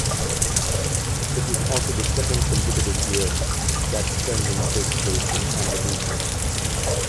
It was also the second consecutive year that the ceremony takes place in Andalusia.